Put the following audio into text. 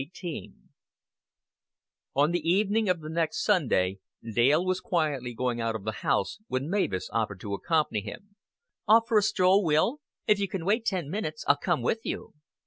XVIII On the evening of the next Sunday Dale was quietly going out of the house when Mavis offered to accompany him. "Off for a stroll, Will? If you can wait ten minutes, I'll come with you."